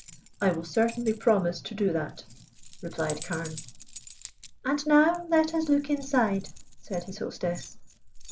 "I will certainly promise to do that," replied Carne. "And now let us look inside," said his hostess.